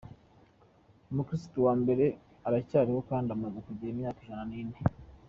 Umukiristu wa mbere aracyariho kandi amaze kugira imyaka Ijana Nine